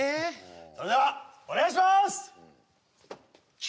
それではお願いします！